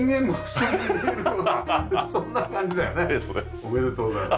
おめでとうございます。